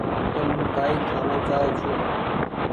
تم ڪآئي کآڻو چآئو ڇو ۔